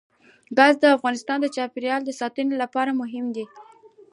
ګاز د افغانستان د چاپیریال ساتنې لپاره مهم دي.